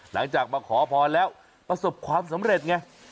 หลังจากมาขอพรแล้วประสบความสำเร็จไง